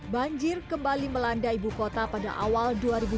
banjir kembali melanda ibu kota pada awal dua ribu dua puluh